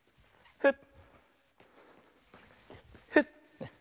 フッ。